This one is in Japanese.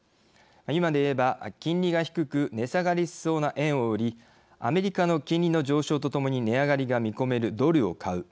今でいえば金利が低く値下がりしそうな円を売りアメリカの金利の上昇とともに値上がりが見込めるドルを買う。